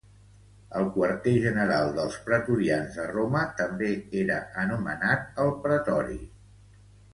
El quarter general dels pretorians a Roma també era anomenat el Pretori.